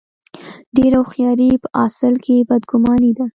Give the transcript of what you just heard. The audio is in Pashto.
ډېره هوښیاري په اصل کې بد ګماني ده.